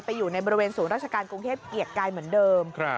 อยู่ในบริเวณศูนย์ราชการกรุงเทพเกียรติกายเหมือนเดิม